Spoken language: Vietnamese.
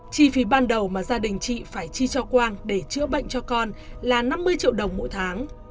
chi phí ban đầu mà gia đình chị phải chi cho quang để chữa bệnh cho con là năm mươi triệu đồng mỗi tháng